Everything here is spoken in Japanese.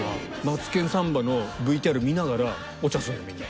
『マツケンサンバ』のＶＴＲ見ながらお茶するのみんな。